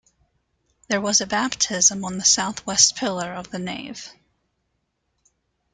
There was a Baptism on the south-west pillar of the nave.